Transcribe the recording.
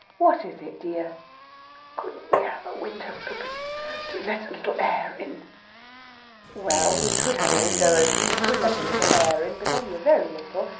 "What is it, dear?" "Couldn't we have a window open to let a little air in?" Well! we could have a window open. We could let a little air in but only a very little.